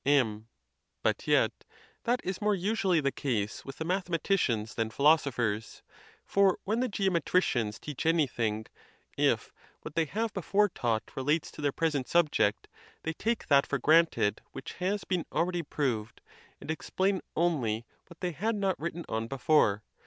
MM. But yet that is more usually the case with the mathe maticians than philosophers. For when the geometricians teach anything, if what they have before taught relates to their present. subject, they take that for granted. which has been already proved, and explain only what they had not written on before.